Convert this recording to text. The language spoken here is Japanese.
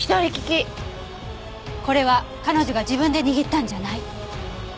これは彼女が自分で握ったんじゃない。